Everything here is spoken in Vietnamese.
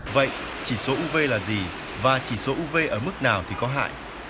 vậy chỉ số uv là gì và chỉ số uv ở mức nào thì có hại